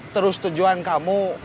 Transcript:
terus tujuan kamu